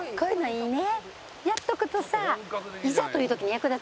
いいね。